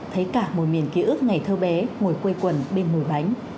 thấy cả mùi miền ký ức ngày thơ bé ngồi quê quần bên ngồi bánh